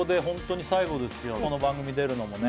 この番組出るのも。